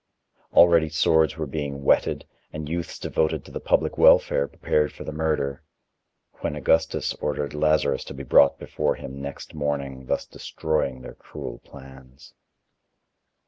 Already swords were being whetted and youths devoted to the public welfare prepared for the murder, when Augustus ordered Lazarus to be brought before him next morning, thus destroying the cruel plans.